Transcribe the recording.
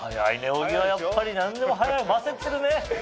小木はやっぱり何でも早いませてるね。